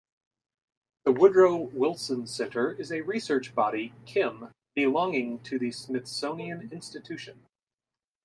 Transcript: The Woodrow Wilson Center is a research body kim belonging to the Smithsonian Institution.